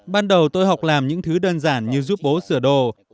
ban đầu tôi học làm những thứ đơn giản như giúp bố sửa đồ